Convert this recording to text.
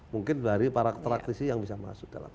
mungkin dari para praktisi yang bisa masuk dalam